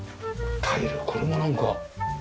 タイルこれもなんか。